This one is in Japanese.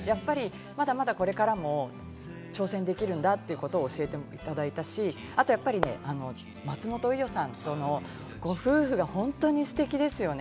まだまだこれからも挑戦できるんだってことを教えていただいたし、あとやっぱり、松本伊代さんとのご夫婦が本当にステキですよね。